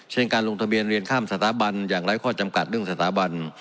เช่นการลงทะเบียนเรียนข้ามสถาบันอย่างไร้ข้อจำกัดเรื่องสถาบัน